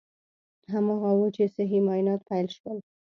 هماغه و چې صحي معاینات پیل شول.